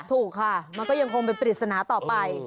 ถูกค่ะมันก็ยังคงเป็นปริศนาต่อไป